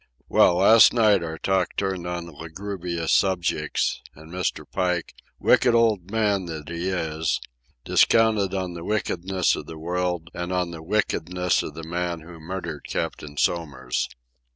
Well, last night our talk turned on lugubrious subjects, and Mr. Pike, wicked old man that he is, descanted on the wickedness of the world and on the wickedness of the man who had murdered Captain Somers.